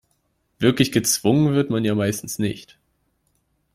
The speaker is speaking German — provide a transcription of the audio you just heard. Wirklich gezwungen wird man ja meistens nicht.